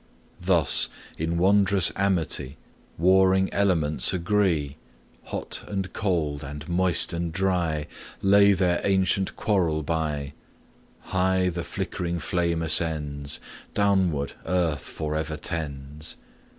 Thus, in wondrous amity, Warring elements agree; Hot and cold, and moist and dry, Lay their ancient quarrel by; High the flickering flame ascends, Downward earth for ever tends.